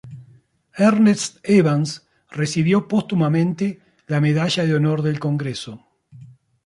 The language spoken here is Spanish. Ernest Evans recibió póstumamente la Medalla de Honor del Congreso.